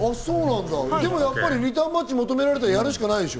でもリターンマッチを求められたらやるしかないでしょ。